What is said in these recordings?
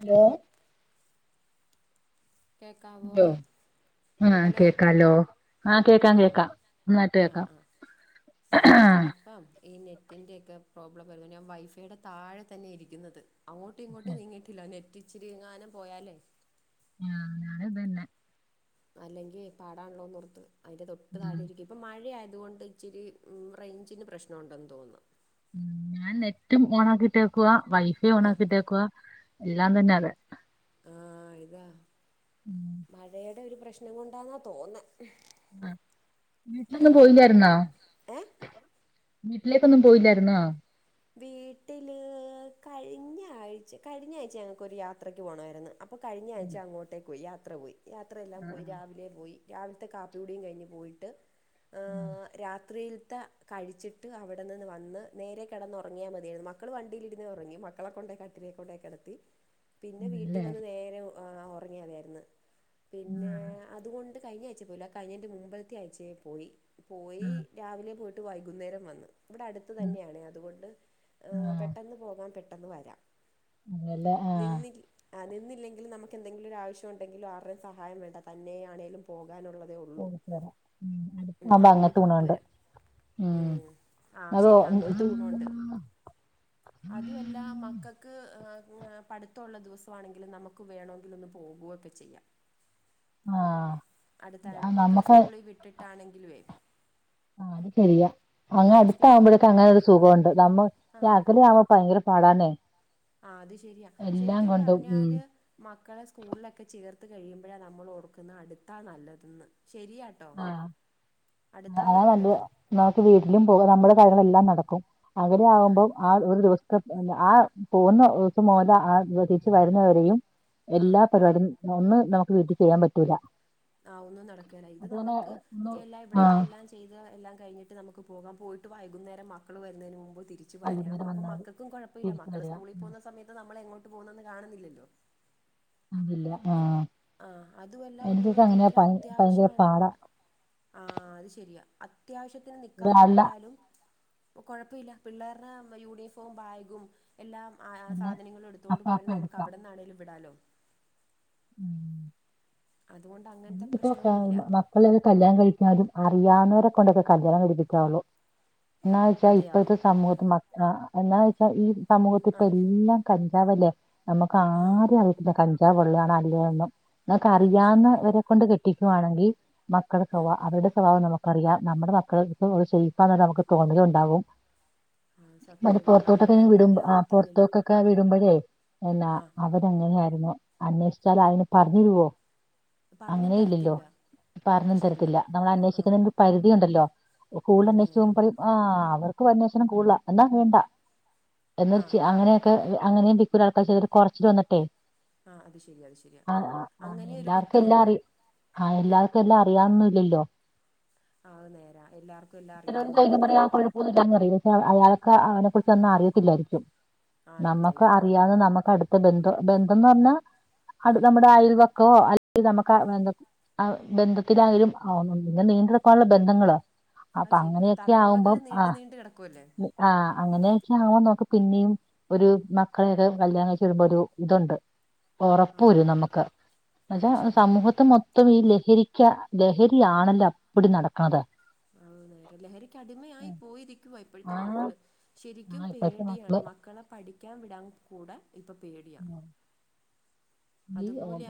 Hello. കേക്കാവോ? ആഹ് hello കേക്കാലോ ആഹ് കേക്കാം കേൾക്കാം ന്നായിട്ട് ആഹ് കേക്കാം. ആഹ് ആഹ് ചെലപ്പം. ഈ നെറ്റിൻ്റെൊക്കെ പ്രോബ്ലം വരുന്നു ഞാൻ വൈഫൈയുടെ താഴെ തന്നെ ഇരിക്കുന്നത് അങ്ങോട്ടും ഇങ്ങോട്ട് നീങ്ങിട്ട് ഇല്ല നെറ്റിച്ചിരിങ്ങാനം പോയാലേ ആഹ് ഞാന ഇതന്നെ. അല്ലെങ്കിൽ പാടാണല്ലോന്നൊർത്ത്. അതിന്റെ തൊട്ട് ഉം താഴേ ഇരിക്ക ഇപ്പോം മഴ ആയതുകൊണ്ട് ഇച്ചിരി റേഞ്ചിന് പ്രശ്നമുണ്ടെന്ന് തോന്നുന്നു. ഉം ഞാൻ നെറ്റും ഓണാക്കിട്ടേക്കുവ വൈഫൈ ആഹ് ഓണിക്കിട്ടേക്കുവാ എല്ലാം തന്നെ അതെ.. ആഹ് ഇതാ ഉം മഴയുടെ ഒരു പ്രശ്നം കൊണ്ടാന്നാ തോന്നേ? ആഹ് വീട്ടിലൊന്നും പോയില്ലായിരുന്നോ? ഏഹ് വീട്ടിലേക്കൊന്നും പോയില്ലായിരുന്നോ? വീട്ടില് കഴിഞ്ഞ ആഴ്ച കഴിഞ്ഞ ആഴ്ച ഞങ്ങൾക്കൊരു യാത്രക്ക് പോകണായിരുന്നു. അപ്പോൾ കഴിഞ്ഞ ആഴ്ച അങ്ങോട്ടേക്ക് പോയി യാത്ര പോയി യാത്രയെല്ലാം പോയി ആഹ് രാവിലെ പോയി രാവിലത്തെ കാപ്പി കൂടിയയും കഴിഞ്ഞ് പോയിട്ട് ആഹ് രാത്രിയിലത്തെ കഴിച്ചിട്ട് അവിടെ നിന്ന് വന്ന് നേരെ കിടന്നുറങ്ങിയാ മതിയരുന്നു മക്കൾ വണ്ടിയി ഇരുന്ന് ഉറങ്ങി മക്കളെ കൊണ്ടണ്ട് കട്ടിലി കൊണ്ടോയീ കെടത്തി പിന്നെ വീട്ടിൽ അതല്ലേ വന്ന് നേരെ ഉറങ്ങിയാതിയിരുന്നു പിന്നെ ആഹ് അതുകൊണ്ട് കഴിഞ്ഞ അയച്ചേ പോയില്ല കഴിഞ്ഞന്റെ മുമ്പലത്തെ അയച്ചേ പോയി അതെല്ലേ ആഹ് പോയി ആഹ് രാവിലെ പോയിട്ട് വൈകുന്നേരം വന്ന് ഇവിടെ അടുത്ത് ഉം തന്നെയണേ അതുകൊണ്ട് ആഹ് പെട്ടന്ന് പെട്ടെന്ന് വരാം അതല്ലേ ആഹ് നിന്നി ആ നിന്നില്ലെങ്കിൽ നമുക്ക് എന്തെങ്കിലും ഒരു ആവശ്യണ്ടെങ്കിലും ആരുടെയും സഹായം വേണ്ട തന്നെയാണെലും പോകാനുള്ളതേ ഉള്ളൂ പോയിട്ട് വരാം ഉം ഉം അടുത്താവുമ്പോ അതുകൊണ്ട് അങ്ങനത്തെ പോയിട്ട് ഗുണോണ്ട് വരാം. ഉം ആ അതോ ശരിയാ അങ്ങനത്തെ ഗുണൊണ്ട് അതുവല്ല മ ക്കക്ക് പഠിത്തൊള്ള ദിവസമാണെങ്കിലും നമുക്ക് വേണമെങ്കിൽ ഒന്ന് പോകുയൊക്കെ ചെയ്യാം. [inaudible] അടുത്തായോണ്ട് ആഹ് മക്കളെ നമുക്ക് സ്കൂളില് വിട്ടിട്ടാണെങ്കിലുവേ ആഹ് അത് ശരിയാ അങ്ങ് അടുത്ത ആവുമ്പോഴേക്കെ അങ്ങനെ ഒരു സുഖുണ്ട് നമ്മ ആഹ് രിത്രിയാകുഭയങ്കര പാടാനേ ആ അത് ശരിയാ ശരിക്കും കൊണ്ടും ഉം പറഞ്ഞാല് മക്കളെ സ്കൂളിലൊക്കെ ചേർത്ത് കഴിയുമ്പോഴാണ് നമ്മൾഓടുക്കുന്ന അടുത്താ നല്ലതന്ന് ശരിയ ആഓഫ് ആഹ് അതാ നല്ല നമുക്ക് വീട്ടിലും പോ നമ്മുടെ കാര്യങ്ങളളെ എല്ലാം നടക്കും അകനെ ആഹ് ആകുമ്പോം ആ ഒരു ദിവസത്തെ ആ പോകുന്ന ദിവസം മുല ആ തിരിച്ച വരുന്നവരെയും ആഹ് എല്ലാ പരിപാടിയും ഒന്നും നമുക്ക് വീട്ടിൽ ചെയ്യാൻ പറ്റൂല ആ ഒന്നും നടക്കല്ല ഇത് അതങ്ങനെ നമുക്ക് ഒന്ന് എല്ലാം ആ ഇവിടത്തെ എല്ലാം ചെയ്ത് എല്ലാം കഴിഞ്ഞിട്ട് നമുക്ക് പോകാ പോയിട്ട് വൈകുന്നേരം മക്കൾ വരുന്നന് മുമ്പ് തിരിച്ചും വരാം വൈകുന്നേരം അപ്പൊ വന്നാ മതി മക്കൾക്കും കുഴപ്പമില്ല തിരിച്ച് മക്കൾ വരിക സ്കൂളിൽ ഉം. പോകുന്ന സമയത്ത് നമ്മൾ എങ്ങോട്ട് പോകുന്നന്ന് കാണുന്നില്ലല്ലോ അതല്ല ആഹ ആ അതു വല്ല ഒന്ന് വീട്ടിൽ അത്യാവശ്യ ഭയങ്കര വണ് പാടാ ആ അത് ശരിയാ അത്യാവശ്യത്തിന് നിക്കാൻ ഒരാളില്ല പോയാലും കുഴപ്പമില്ല പിള്ളേരുടെ യൂണിഫോം ബാഗും എല്ലാ ആ പിന്നെ സാധനങ്ങളും എടുത്തുകൊണ്ട് അപ്പാപ്പ പോയാൽ നമുക്ക് എടുക്കാം അവിടന്നാണേങ്കലും വിടലോ ഉം അതുകൊണ്ട് അങ്ങനത്തെ പ്രശ്നവും ഇല്ല അള്ള കല്ണം കിക്കുന്നതും അറിയാവുന്നവരെ കൊണ്ടൊക്കെ കല്യാണം കിപ്പിക്കാവുള്ളൂ എന്നാ വെച്ചാൽ അതെയോ ഇപ്പഴത്തെ സമൂഹത്തി മ എന്നാന്ന് വെച്ചാൽ ഈ സമൂഹത്തി ഇപ്പ എല്ലാം കഞ്ചാവ്ല്ലേ നമുക്ക് ആഹ അറിയി കഞ്ചാവ പൊള്ളണോ അല്ലും എന്നൊക്കെ അത് അറിയാവുന്ന ശരിയാ ഇവരെ കൊണ്ട് കെട്ടിക്കുവാണെങ്കിൽ മക്കളുടെ ആഹ് സ്വഭാവം അവരുടെ സ്വഭാവം നമുക്കറിയാം നമ്മുടെ മക്കൾ സേഫാന്ന് നമുക്ക് തോന്നൽണ്ടാവും ആഹ് മ സത്യവാ പുൊറത്തോട്ടൊക്കെ വിടു നമ്മളല്ലാതെ ആ അറിയത്തില്ലല്ലോ പുൊറത്തോക്കൊക്കെ വിടുമ്പോഴേ എന്ന ആഹ് അവ എങ്ങനെയ ആയിരുന്നു അന്വേഷിച്ചാൽ അതിന് പറഞ്ഞിരുവോ പറഞ്ഞും തരത്തില്ല അത് പറഞ്ഞും ശരിയാ തരത്തില്ല നമ്മൾ ആഹ് അന്വേഷിക്കുന്നതി ഒരു പരിധി ഉണ്ടല്ലോ കൂടുതൽ അത് അന്വേഷിച്ച പോ നേരാ പറയും ആ് അവർക്ക് അന്വേഷണം കൂടല എന്നാ വേണ്ട എന്ന ആഹ് ആഹ് അങ്ങനെയൊക്കെ അങ്ങനെയ കുറയെൾക്കാ ർചെയ്തട്ട്കുറച്ചു വന്നിട്ടെ ആഹ അത് ശരി അത് ശരിയാ ആ ആ ആ, അങ്ങനെ ഒരു കു എല്ലാവർക്കും എല്ലാം അറ ആ എല്ലാവർക്കും എല്ലാം അറിയൊന്നുംല്ലല്ലോ അ നേരാ എല്ലാർക്കും എല്ലാം ചൈക അറിയണന്നൊന്നുല്ല പറ ആ കുഴ പോന്ന അറ പക്ഷെ അയാളൊക്കെ അവനെ കുുറിച്ച് ഒന്നും അറിയത്തില്ലായിരിക്കും ആഹ് ഇല്ല നമ്മുക്ക് ഇല്ല അറിയാവതെ നമുക്ക് അടുത്ത ബന്ധം ബന്ധംന്ന് പറഞ്ഞാ അടു ആഹ് നമ്മുടെ അയൽവക്കോ അല്ലെങ്കിൽ നമുക്ക്ന്തൊ ആ ബന്ധത്തിലായാലും ആുന്നു ഇങ്ങെ നീണ്ടെടുക്കാനുള്ള ബന്ധങ്ങളോ അപ്പൊ അങ്ങനെയൊക്കെ ആകുമ്പം ആ നീണ്ട്കിടക്കല്ലേ ആഹ് അങ്ങനെയൊക്കെ ആവുമ്പ നോക്ക പിന്നെയും ഒരു മക്കളെയൊക്കെ കല്യാണം കഴിച്ചുടുമ്പോ ഒരു ഇതുണ്ട് ഉറപ്പ ആഹ് വരും നമുക്ക് അത് എന്നച്ചാ ശരിയാ സമൂഹത്തി മൊ മൊത്തം ഈ ലഹരിക്ക ലഹരിയാണല്ലോ അപ്പടി നടക്കണത് ആഹ് നേര ലഹരിക്ക് അടിമയായി പോയിരിക്കുവ ആ ഇപ്പഴത്ത മക്കൾ ആ ശരിക്കും ഇപ്പഴത്തെ മക്കള് പേടിയാണ് മക്കളെ പഠിക്കാൻ വിടാൻ കൂടെ ഇപ്പ പേടിയ ഉം. ഈ ഓം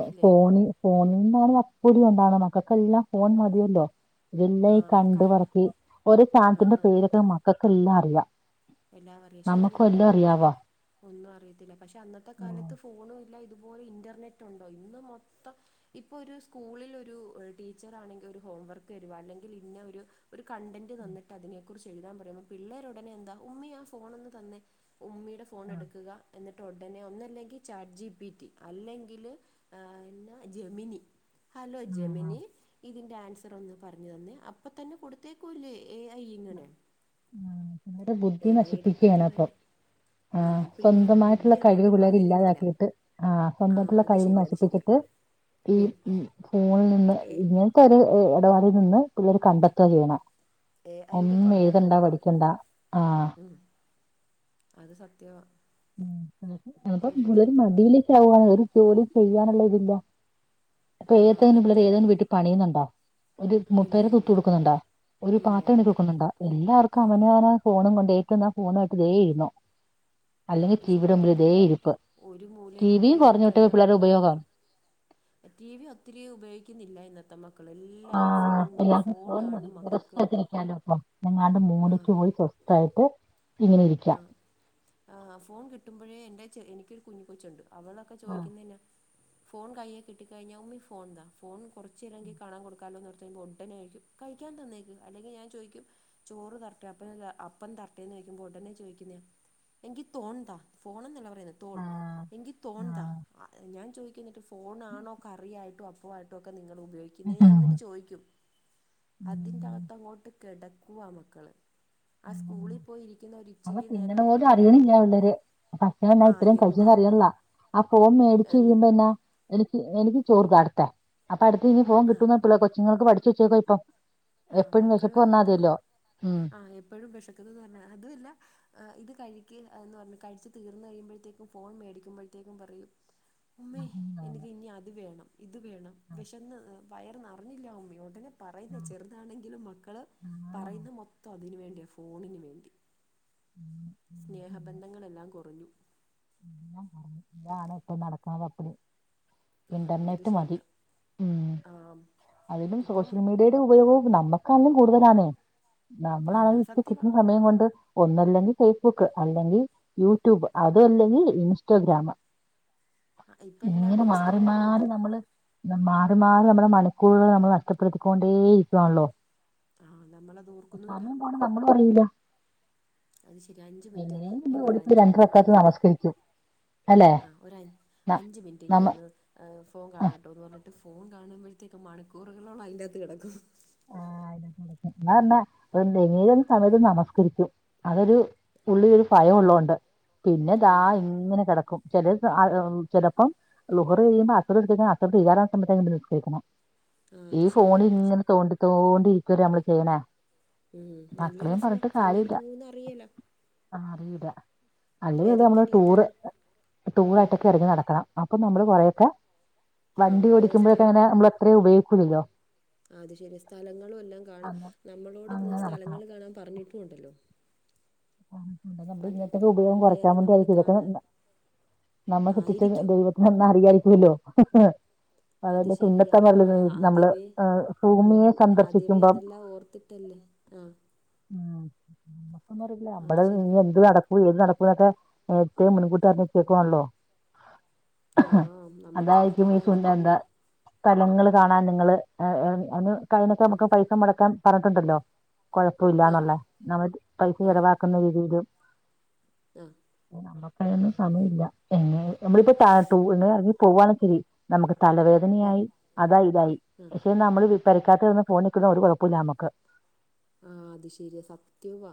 ഓംഫോണി ഫോണിൽ നിന്നാണ് അപ്പടി ഉണ്ടാവണ് മക്കൾക്കെല്ലാം ഫോൺ മതിയല്ലോ ഇതല്ലാം ആഹ് ക കണ്ടു പറക്കി ഒരു സാനത്തിന്റെ ആഹ് പേരൊക്കെ മക്കൾക്കെല്ലാം അറിയാം നമ്മക്ക് വെല്ലോ അറിയാവോ ഒന്നു അറിയത്തില്ല പക്ഷെ അന്നത്ത കാലത്ത് ഫോണും ഇല്ല ഇതുപോലെ ഇന്റർനെറ്റ് ഒണ്ടോ ഇന്ന് മൊത്തം ഇപ്പൊ ഒരു സ്കൂളിൽ ഒരു ടീച്ചർ ആണെങ്കി ഒരു ഹോംവർക്ക് തരുവ അല്ലെങ്കി ഇന്ന ഒരു ഒരു കണ്ടന്റ് തന്നിട്ട് അതിനെ കുറിച്ച് എഴുതാൻ പറയുമ്പ പിള്ളേർ ഒടനെ എന്താ ഉമ്മി ആഹ് ഫോണൊന്ന് തന്നെ ഉമ്മിടെ ഫോൺ എടുക്കുക എന്നി ട്ട ഒടനെ ഒന്നല്ലെങ്കി ചാട്ട് ജി പി റ്റി അല്ലെങ്കില് എന്ന ജെമിനി ഹലോ ആ ജെമിനി ഇതിൻ്റെ ആൻസർ ഒന്ന് പറഞ്ഞു തന്നേ അപ്പ തന്നെ കൊടുത്തേക്കുവല്ലേ എ ഐ ഇങ്ങനെ ഉം ഇവടെ ബുദ്ധി എ ഐയുടെ നശിപ്പിക്കയാണ് അപ്പൊ കാലമല്ലേ ആ ആഹ് പിള്ളേരുടെ ബുദ്ധി സ്വന്തമായിട്ടുള്ള കഴിവ് അങ്ങോട്ട് പിള്ളേര് വളരുന്നില്ല ഇല്ലാതാക്കിട്ട് ആഹ് ആ സ്വന്തമായിട്ടുള്ള അത് കഴിവ് ശരിയാ അത് ശരിയാ നശിപ്പിച്ചിട്ട് ഈ ഉം ഫോണിൽ നിന്ന് എ ഇങ്ങനത്തെ ഒരു ഇടപാടിൽ നിന്ന് പിള്ളേര് കണ്ടെത്ത ചെയ്യണ എ ഐടെ പൊറകെ പോവാണ് ആഹ് ഉം അത് സത്യവാ ഉം അപ്പ ശരിക്കും പിള്ളര് ഇപ്പ- മടിയിലേക്ക് ആവാണ് ഒരു ജോലി ചെയ്യാനുള്ള ഇതില്ല ഇപ്പ ആ ഏതേന് പിള്ളേര് ഇന്ന് ഏതെങ്കിലും വീട്ടി പണിയുന്നുണ്ട ഒരു ഇല്ല മുപ്പേരെ തൂത്ത് ഇല്ല കൊടുക്കുന്നുണ്ട ഒരു ഇല്ല പാത്ര ഇല്ല എണിക്കുന്നുണ്ടോ എല്ലാവർക്കും അവന അവന ഫോണും കൊണ്ട് ഏറ്റന്ന ഫോണയിട്ട് ദേ ഇരുന്നു ആഹ് അല്ലെങ്കിൽ അത് ടി ശരിയ വിയുടെ ഒരു മുമ്പിൽ മു ദേ ഇരിപ്പ് ഒരു ടി മൂലയിലോട്ട് വിയും കെയറി കുറഞ്ഞു വിട്ട കഴിഞ്ഞാ പിള്ളേരുടെ പിന്നെ കാ ഉപയോഗമാണ് ടി വി ഒത്തിരി ഉപയോഗിക്കുന്നില്ല ഇന്നത്തെ മ ആഹ് എല്ലാർക്കും ഫോൺ മതി മക്കൾക്ക് രസയിട്ടിരിക്കാലോ അപ്പം എങ്ങാണ്ട് മൂലക്ക് പോയി സൊ ത്തായിട്ട് ഇങ്ങനെ ഇരിക്കാം ആഹ് ഫോൺ കിട്ടുമ്പോഴേ എന്റെ ച്ചെ എനിക്കൊരു കുഞ്ഞി പൂചൊണ്ട് അവളൊക്കെ ആഹ് ചോയ്ക്കുന്നന്നാ ഫോൺ കയേ കിട്ടി കഴിഞ്ഞാ ഉമ്മി ഫോൺതാ ഫോൺ കുറച്ച് നേരവെങ്കി കാണൻ കൊടുക്കലൊന്ന് കുറച്ച് കഴിയുമ്പോ ഒടനെ കഴി കഴിക്കാൻ തന്നേക്ക് അല്ലെങ്കി ഞാൻ ചോദിക്കും ചോറ് തരട്ടെ അപ്പ അപ്പം തരട്ടേന്ന് ചോയിക്കുമ്പോ ഒടനെ ചൊ ചോദിക്കുന്നയ എങ്കി തോൺതാ ഫോൺ എന്നല്ല പ തോൺ ആഹ് എങ്കി തോൺതാ ആഹ് ഞാൻ ചോദിക്കു എന്നിട്ട് ഫോൺ ആണോ കറിയായിട്ടും അ പ്പവായിട്ടിക്കെ നിങ്ങള് ഉപയോഗിക്കുന്നെ ഞാൻ എന്നിട്ട് ചോയിക്കും ഉം അതിന്റകത്ത് അങ്ങോട്ട് കെടക്കുവ മക്കള് ആഹ് സ്കൂളി പോയി ഇരിക്കുന്ന ഒരി അപ്പൊ തിന്നണ പോലും അറിയണില്ല പിള്ളര് ഭക്ഷണം എന്ന ആഹ് ഇത്രയും കഴിചെ എന്താ അപ്പം എന്നറിയണില്ല ആഹ് ഫോൺ മേടിച്ച് ഉം കഴിയുമ്പോ നോ എനിക്ക് എനിക്ക് ചോറ് വാരിത്ത അപ്പൊ അടുത്ത ഇനി ഫോൺ കിട്ടുന്ന് ത്ലെ കൊച്ചുങ്ങൾക്ക് പഠിച്ചു വച്ചേക്ക ഇപ്പം ആഹ് എപ്പഴും വിശപ്പ് മക്കള് വന്നാ അത് മതിയല്ലോ ഉം ആഹ് എപ്പഴും വിഷക്കുനെന്ന് പറഞ്ഞ അതുല്ല എഹ് ഇത് കഴിക്ക് എന്ന് പറഞ്ഞു കഴിച്ചു തീർന്ന് കഴിയുമ്പോഴത്തേക്കും ഫോൺ മേടിക്കുമ്പോഴത്തേക്കും പറയും ഉമ്മി ആ, ഉം, ആ, എനിക്ക് ഇനി അത് വേണം ഇത് വേണം വിശന്ന് വയർ നറഞ്ഞില്ലാ ഉമ്മി ഒടനെ പറ ചെറുതാണെങ്കിലും മക്കള് ആ, പറയുന്ന മൊത്തം അതിന് വേണ്ടിയ ഫോണിന് വേണ്ടി ഉം, ഉം, ഉം. സ്നേഹബന്ധങ്ങളെല്ലാം കുറഞ്ഞു എല്ലാം ഇതാണ് ഇപ്പ [unintelligible] ആഹ് അത് ഇന്റർനെറ്റ് മതി ശരിയാ ഉം ആഹ് അതിലും ഇപ്പം സോഷ്യൽ മീഡിയയുടെ ഉപയോഗവും നമ്മുക്കണേല്ലും കൂടുതലാണേ ആഹ് നമ്മളണേലും ഇപ്പ സത്യവാ കിട്ടുന്ന സമയം കൊണ്ട് ഒന്നല്ലെങ്കി ഫേസ്ബുക്ക് അല്ലെങ്കി യൂട്യൂബ് അതു അല്ലെങ്കി ഇൻസ്റ്റഗ്രാം ആഹ് ഇപ്പം ഇങ്ങനെ എല്ലാവർക്കും മാറി ഇൻസ്റ്റാഗ്രാം മാറി മതി നമ്മള് മാറി മാറി നമ്മുടെ മണിക്കൂഴുകൾ നമ്മൾ നഷ്ടപ്പെടുത്തിക്കൊണ്ടേ ഇരിക്കുവാണല്ലോ ആഹ് നമ്മളത് ഓർക്കുന്നുമില്ല സമയം പോണേ നമ്മളും അറിയില്ല അത് ശരി അഞ്ച് മിനിറ്റ് എങ്ങനെയും എന്ക്ക് ഒരു ഓടിപ്പോയി അഞ്ചു രണ്ട് റക്കഅത്ത് മിനിറ്റത്തേക്ക് താ നമസ്കരിക്കും അല്ലെ ആ ഒര അഞ്ച് മിനിറ്റെങ്കി നമ്മ ഒന്ന് അഹ് ഫോൺ ആ കാണാട്ടോ ന്ന് പറഞ്ഞിട്ട് ഫോൺ കാണുമ്പോഴത്തേക്കും മണിക്കൂറുകളോളം അതിൻ്റകത്ത് കിടക്കും [unintelligible] സമയത്ത് നമസ്കരിക്കും അതൊരു ഉള്ളിലൊരു ഭയം ഉള്ളോണ്ട് പിന്നെ ദാ ആഹ് ഇങ്ങനെ കെടക്കും ചില അഹ് ഏഹ് ചെലപ്പം ളുഹ്റ് കയ്യുമ്പൊ അസറ് [unintelligible] നമസ്കരിക്കണം ആഹ് ഈ അത് ഫോൺ ശരിയാ ഇങ്ങനെ തോണ്ടി തോണ്ടി ഇരിക്കുവല്ലേ നമ്മള് ചെയ്യണേ ഉം നല്ല മക്കളെയും രസമാണ് സമയം പോവുന്ന് അറയില്ല ആ അറിയില്ല അല്ലെ നമ്മള് ഏതൊക്കെ രീതിയിൽ ടൂറ് ഉം ടൂറായിട്ടൊക്കെ ഇറങ്ങി നടക്കണം അപ്പൊ നമ്മള് കൊറെയൊക്കെ വണ്ടി ആഹ് ഓടിക്കുമ്പോഴൊക്കെ സ്ഥലം അങ്ങനെ നമ്മൾ എത്രയും ഉപയോഗിക്കൂലല്ലോ അത് ശരി സ്ഥലങ്ങളും എല്ലാം കാണും അങ്ങനെ നമ്മളോട് അങ്ങനെ നടക്കണം സ്ഥലങ്ങൾ കാണാൻ പറഞ്ഞിട്ടുണ്ടല്ലോ നമ്മ ഇങ്ങൻത്തൊക്കെ ആ, ഉപയോഗം കുറയ്ക്കാൻ വേറെ നമ്മൾ വേണ്ടയിരിക്കും ഇതൊക്കെ കാണാൻ നമ്മൾ [unintelligible] ആയിരിക്കും ദൈവ എന്ന എന്നറിയായിരിക്കല്ലോ അത് ശരിയാ ആ ആദ്യവേ ഏഹ് ഭൂമിയെ ആദ്യവേ സന്ദർശിക്കുമ്പം അതെല്ലാം ഓർത്തിട്ടല്ലേ ആഹ് ഉം അത് നമ്മള് ശരിയാ ഇനി എന്തു നടക്കും ഏത് നടക്കുന്നൊക്കെ നേരത്തെ മുൻകൂട്ടി അറിഞ്ഞച്ചേക്കുവാണല്ലോ ആഹ് അതായിരിക്കും നമ്മക്കതറിയില്ലാന്നല്ലേ ഉള്ളൂ [unintelligible] സ്ഥലങ്ങള് കാണാൻ നിങ്ങള് അന് കഴിയ്ണൊക്കെ നമുക്ക് പൈസ മുടക്കാൻ പറഞ്ഞിട്ടുണ്ടല്ലോ ആഹ് കൊഴപ്പോല്ലാന്ന്ള്ളേ നമ്മള് പൈസ ആഹ് ചെലവാക്കുന്ന രീതിയിലും ആഹ് നമ്മുക്ക് അതിനൊന്നും സമയമില്ല എങ്ങനെ നമ്മളിപ്പോ എങ്ങെ ഇറങ്ങി പോകാണെ ശെരി നമുക്ക് തലവേദ ആഹ് പനിയിയി അതായി ഇതായി ആഹ് പക്ഷെ നമ്മള് പെരക്കകത്തിരുന്ന് ഫോൺ നീക്കുന്നെ ഒരു കുഴപ്പമില്ല നമ്മുക്ക് ആ അത് ശരിയാ സത്യവാ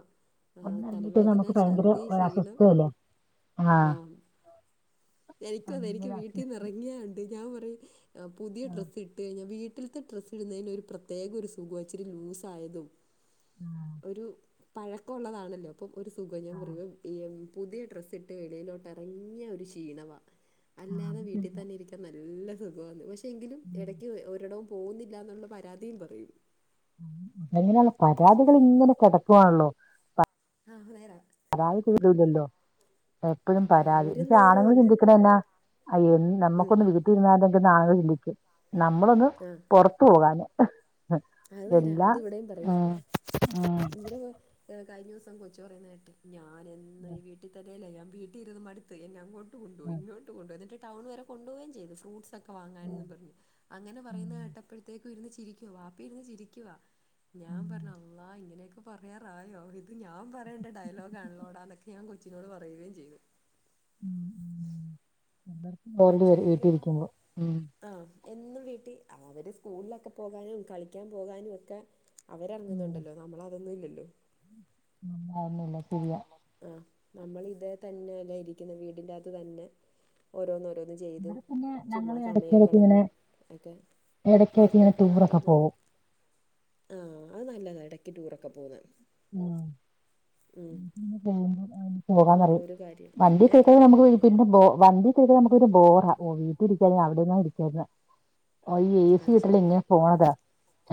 ആ ഒന്ന് ഇറങ്ങിയിട്ട് തലവേദന നമുക്ക് ഭയങ്കര ഛർദി ഒരു ക്ഷീണം അസ്വസ്ഥതയല്ലേ ആഹ് എനിക്കതെ എനിക്ക് ഭയങ്കര അസ്വസ്ഥത വീട്ടീന്നിറങ്ങിയാണ്ട് ഞാൻ പറയും പുതിയ ആഹ് ഡ്രസ്സ് ഇട്ട് കയിഞാ വീട്ട വീട്ടില്ത്തെ ഡ്രസ് ഇടുന്നതിന് ഒരു പ്രത്യേക ഒരു സുഖ ഇച്ചിരി ലൂസായതും ആഹ് ഒരു പഴക്കോള്ളതാണല്ലോ അപ്പം ഒരു സുഖം ഞാൻ ആഹ് പറയും ഈ പുതിയ ഡ്രസ്സ് ഇട്ട് വെളിയിലോട്ട് ഇറങ്ങിയ ഒരു ക്ഷീണവ ആഹ് അല്ലാതെ അത് വീട്ടിൽ ശരിയാ തന്നെ ഇരിക്ക നല്ല സുഖാന്ന് പക്ഷെ എങ്കിലും ഇടയ്ക്ക് ഒരിടവും പോകുന്നില്ല എന്നുള്ള പരാതിയും പറയും അത എങ്ങനെയാലും പക്ഷെ പരാതികള് ഇങ്ങനെ കെടക്കോവാണല്ലോ? ആഹ് നേരാ പരാതി തീരൂലല്ലോ എപ്പൊഴും ആ പരാതി ഒരു പ നേരവും ആണുങ്ങൾ ഇല്ല ചിന്തിക്കണെ എന്നാ ഉം, നമ്മക്കൊന്ന് വീട്ടിയിരുന്ന ആളുകൾ ചിന്തിക്കും നമ്മളൊന്ന് ആഹ് പൊറത്ത് പോകാനും അത് നേരാ അതിവിടെയും പറയും ഉം, ഉം, ഇങ്ങന കഴിഞ്ഞ ദിവസം കൊച്ചു പറയുന്നേട്ട് ഞാനെന്നും ഈ വീട്ടി തന്നെയല്ലേ ഞാൻ വീട്ടിൽ ഇരുന്ന് മടു ത് എന്നെ അങ്ങോട്ട് കൊണ്ടോപോ ഉം, ഇങ്ങോട്ട് കൊണ്ടോവോ എന്നിട്ട് ടൗൺ വരെ കൊണ്ടുപോവുകയും ചെയ്ത് ഫ്രുട്സ് ഒക്കെ ഒക്കെ ഉം, വാങ്ങാനെന്ന് പറഞ്ഞ് അങ്ങനെ ഉം, പറയുന്ന കേട്ടപ്പോഴത്തേക്കും ഇരുന്ന് ചിരിക്കുവാ വാപ്പി ഇരുന്ന് ചിരിക്കുവാ ഞാൻ ഉം, പറഞ്ഞ് അള്ളാ ഇങ്ങനെയൊക്കെ പറയാറായോ ഇത് ഞാൻ പറയേണ്ട ഡയലോഗ് ആണല്ലോടാ അതൊക്കെ ഞാൻ കൊച്ചിനോട് പറയുകയും ചെയ്തു പോണ്ടിവരും പക്ഷേങ്കിലും വീട്ടിരിക്കുമ്പോൾ ഉ ആ എന്നും വീട്ടിൽ അവര് സ്കൂളിലൊക്കെ പോകാനും കളിക്കാൻ പോകാനൊക്കെ അവരർങ്ങുന്നുണ്ടല്ലോ നമ്മള് അതൊന്നും ഇല്ലല്ലോ അനന്നായിന്നില്ല ശരിയാ ആഹ നമ്മൾ ഇത് തന്നെ അല്ലേ ഇരിക്കുന്ന വീടിന്റെകത്ത് തന്നെ ഓരോന്നോരോന്ന് ചെയ്തു ഇവിടെ പിന്നെ ഞങ്ങൾ ചുമ്മാ സമയം കളഞ്ഞും ഒക്കെ എടക്കട്ടനെ മക്കൾക്ക് റ്റൂർ അതും റൊക്കെ ഇതും പോവും ആഹ് അത് നല്ലതാണ് ഇടക്ക് ടൂറൊക്കെ പോകുൻ ഹ് അത് പോകാൻ പറയി നല്ലൊരു കാര്യം വണ്ടി ഏഹ് കേക്കതെ നമുക്ക് പിന്നെ ബ വണ്ടി കേട്ട നമുക് ഒരു ബോറാ ഓ വീട്ടിലരിക്കാ അവിടെന്നാ ഇരിക്കായിുന്ന ഐയെ ഈ എ സി അത് കിട്ടേ ശരിയാ ഇങ്ങനെ പോണതാ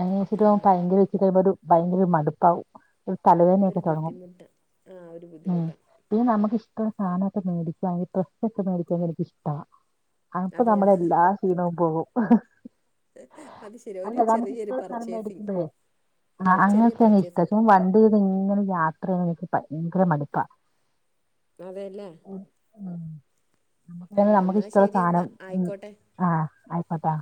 അങ്ങന എ സീട്ട പോുമ്പോ ആഹ് ഭയങ്കര വെച്ചി കഴിയുമ്പോ ഒരു ഭയങ്കര മടുപ്പാവും. തല വേദന ഒരു ബുദ്ധിമുട്ട് ആഹ് ഒരു ബുദ്ധിമുട്ട്. പി നമുക്ക് ഇഷ്ട ഉള്ള സാനക്കെ മേടിക്ക അയ്ന് പ്രശ് [unintelligible] ക്ക മേടിക്ക എനിക്ക്ഷ്ട അപ്പ അതെയോ നമ്മെടെ എല്ലാ ക്ഷീണാം പോകും. അത് ശെരി ഒരു അല്ല ചെറീ നമുക്ക് ഒരു ഇഷ്ടമുള്ള സാധനം പർച്ചേസിങ്. മേടിക്കുമ്പോഴേ ആ ചെറിയ അങ്ങെക്കെ [unintelligible] ഇഷ്ടസു വണ്ടിത് ഇങ്ങനെ യാത്ര ചെയ്യ [unintelligible] ണ എനിക്ക് പയങ്കര മടുപ്പാ. അതേല്ലെ ഉം നമുക്ക് ആഹ് നമുക്ക് എന്നാൽ ഇഷ്ട ഇള്ള ശരി സാനം എന്നാൽ ഉം. ആയിക്കോട്ടെ ആഹ് ആയിക്കോട്ടാ